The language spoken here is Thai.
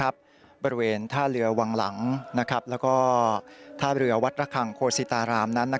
บริเวณท่าเรือวังหลังแล้วก็ท่าเรือวัดระคังโคศิตารามนั้น